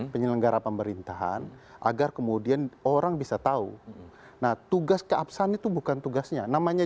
penyelenggara pemerintahan agar kemudian orang bisa tahu nah tugas keabsahan itu bukan tugasnya namanya